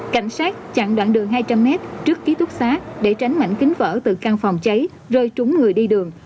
cảnh sát chặn đoạn đường hai trăm linh m trước ký túc xá để tránh mảnh kính vỡ từ căn phòng cháy rơi trúng người đi đường